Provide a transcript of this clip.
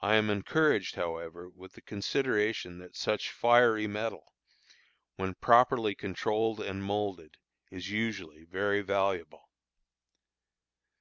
I am encouraged, however, with the consideration that such fiery metal, when properly controlled and moulded, is usually very valuable.